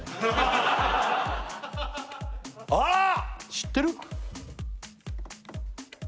知ってる？